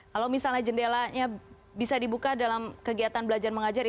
kalau misalnya jendelanya bisa dibuka dalam kegiatan belajar mengajar